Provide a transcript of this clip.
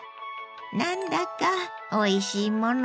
何だかおいしいもの